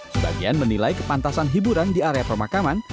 sebagian menilai kepantasan hiburan di area pemakaman